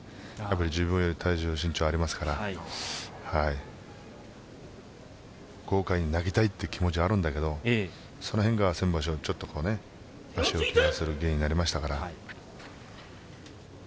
自分より体重、身長ありますから豪快に投げたいという気持ちはあるんだけどその辺が先場所はちょっと足を止める原因になりましたから。